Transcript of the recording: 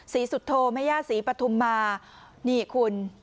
ศรีสุโธแม่ย่าศรีปฐุมมานี่คุณ